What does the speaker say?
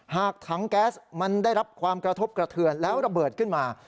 หากถังแก๊สมันได้รับความกระทบกระเทือนแล้วระเบิดขึ้นมา